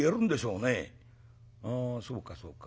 「ああそうかそうか。